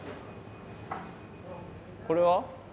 これは？